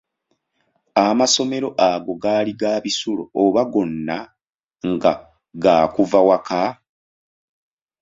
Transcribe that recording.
"Amasomero ago, gaali ga bisulo oba gonna nga ga kuva waka?"